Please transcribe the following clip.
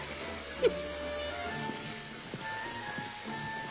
えっ？